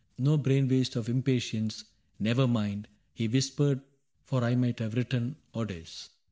No brain waste of impatience —' Never mind/ He whispered, * for I might have written Odes.'